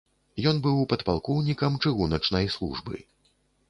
Ён быў падпалкоўнікам чыгуначнай службы.